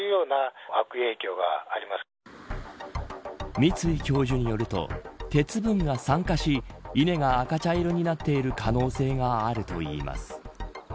三ツ井教授によると鉄分が酸化し稲が赤茶色になっている可能性があるといいます。